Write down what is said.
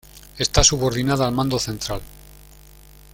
Está subordinada al Mando Central.